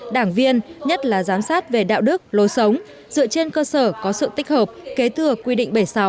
đảng viên nhất là giám sát về đạo đức lối sống dựa trên cơ sở có sự tích hợp kế thừa quy định bảy mươi sáu